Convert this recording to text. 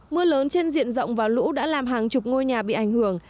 mưa lớn trên diện rộng và lũ đã làm hàng chục ngôi nhà bị ảnh hưởng